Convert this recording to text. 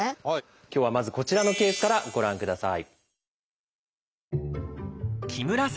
今日はまずこちらのケースからご覧ください。